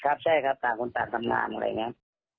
ครับใช่ครับต่างคนตามงานอะไรอย่างเงี้ย